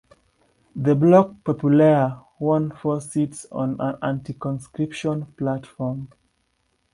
The "Bloc Populaire" won four seats on an anti-conscription platform.